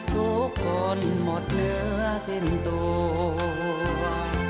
ทุกคนหมดเนื้อสิ้นตัว